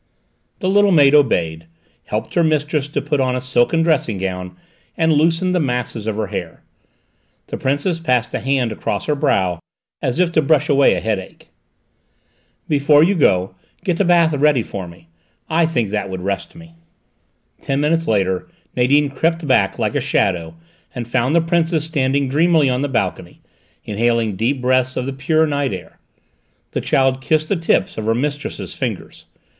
The little maid obeyed, helped her mistress to put on a silken dressing gown, and loosened the masses of her hair. The Princess passed a hand across her brow, as if to brush away a headache. "Before you go, get a bath ready for me; I think that would rest me." Ten minutes later Nadine crept back like a shadow, and found the Princess standing dreamily on the balcony, inhaling deep breaths of the pure night air. The child kissed the tips of her mistress's fingers.